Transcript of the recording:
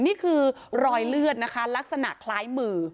นี่คือรอยเลือดนะคะลักษณะคล้ายมือ